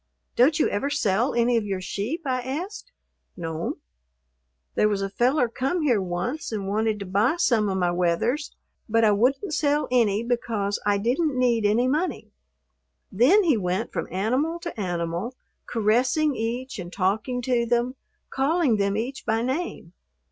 "Don't you ever sell any of your sheep?" I asked. "No'm. There was a feller come here once and wanted to buy some of my wethers, but I wouldn't sell any because I didn't need any money." Then he went from animal to animal, caressing each and talking to them, calling them each by name.